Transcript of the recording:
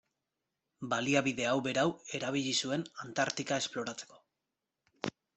Baliabide hau berau erabili zuen Antartika esploratzeko.